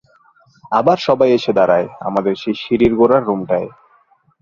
আবার সবাই এসে দাঁড়ায় আমাদের সেই সিঁড়ির গোড়ার রুমটায়।